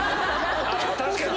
確かに。